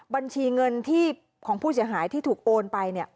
บัญชีเงินที่ของผู้เสียหายที่ถูกโอนไปเนี่ย